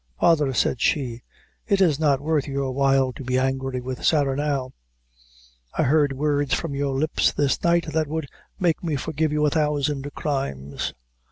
"Father," said she, "it is not worth your while to be angry with Sarah now. I heard words from your lips this night that would make me forgive you a thousand crimes.